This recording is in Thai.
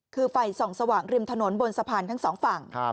คือไฟส่องสว่างริมถนนบนสะพานทั้งสองฝั่ง